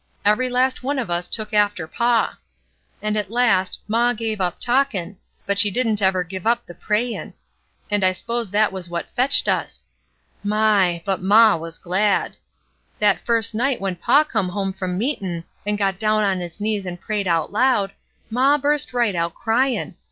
Every last one of us took after paw. And at last, maw give up talkin', but she didn't ever give up the prayin' ; and I s'pose that was what fetched us. My ! but maw MELINDY 199 was glad! That first night when paw come home from meetin' and got down on his knees and prayed out loud, maw burst right out cryin'